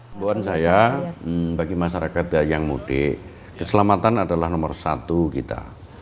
keluhan saya bagi masyarakat yang mudik keselamatan adalah nomor satu kita